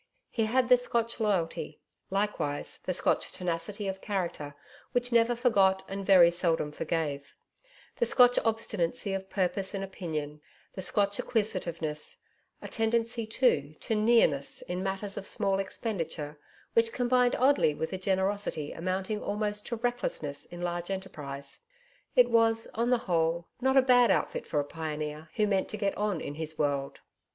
He had the Scotch loyalty; likewise, the Scotch tenacity of character which never forgot and very seldom forgave; the Scotch obstinacy of purpose and opinion; the Scotch acquisitiveness; a tendency too to 'nearness' in matters of small expenditure which combined oddly with a generosity amounting almost to recklessness in large enterprise. It was on the whole not a bad outfit for a pioneer who meant to get on in his world.